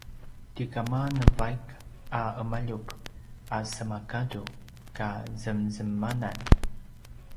ti kama navaik a ’emaljup a semagadu ka zemzemanan